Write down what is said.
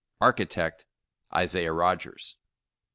ARCHITECT : Isaiah Rogers.'